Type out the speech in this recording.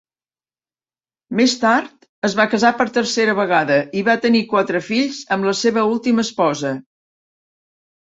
Més tard, es va casar per tercera vegada i va tenir quatre fills amb la seva última esposa.